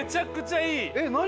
えっ何？